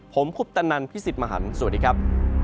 ผมคุปตะนันพี่สิทธิ์มหันฯสวัสดีครับ